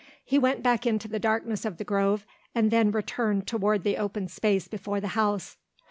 He went back into the darkness of the grove and then returned toward the open space before the house.